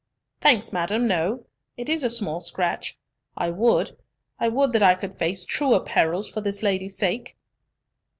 "Thanks, madam, no, it is a small scratch. I would, I would that I could face truer perils for this lady's sake!"